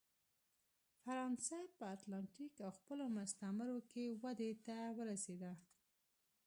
فرانسه په اتلانتیک او خپلو مستعمرو کې ودې ته ورسېده.